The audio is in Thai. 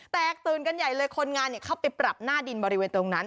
แตกตื่นกันใหญ่เลยคนงานเข้าไปปรับหน้าดินบริเวณตรงนั้น